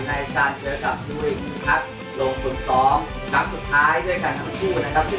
ในภาคเจ้าเก็บกับดูลวินทรัพย์ลงสรุปซ้อมทั้งสุดท้ายด้วยกันทั้งผู้